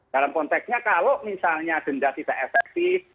dalam konteksnya kalau misalnya denda tidak efektif